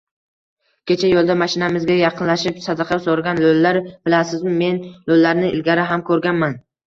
Kecha yoʻlda mashinamizga yaqinlashib sadaqa soʻragan loʻlilar, bilasizmi, men loʻlilarni ilgari ham koʻrganman.